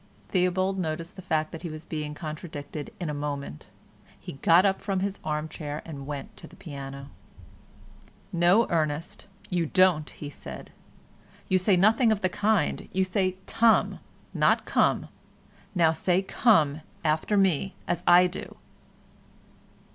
Theobald noticed the fact that he was being contradicted in a moment. He got up from his arm chair and went to the piano. "No, Ernest, you don't," he said, "you say nothing of the kind, you say 'tum,' not 'come.' Now say 'come' after me, as I do."